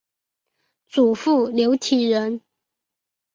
祖父刘体仁。